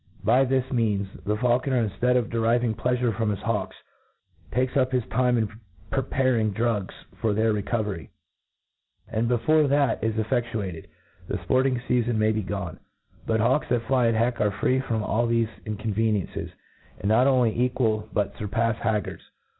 By this means, the faulconer, infl:ead of deriving pleafure from his hawks, takes up his time in preparing drugs for their recovery j and, before that' MODfiRIt FAULCONllY. kJ^t &at is cffcftuatcd, the fporting fcafon may be gone* But hawks that fly at heck are free from all thefe inconvenicncics, and not only equals bat furpafs haggards.